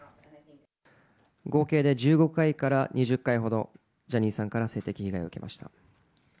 合計で１５回から２０回ほど、ジャニーさんから性的被害を受けました。